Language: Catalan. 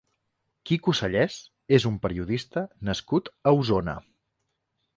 Quico Sallés és un periodista nascut a Osona.